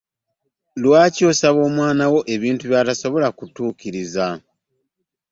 Lwaki osaba omwami wo ebintu byatasobola kutukiriza?